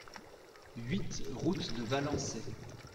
huit route de Valençay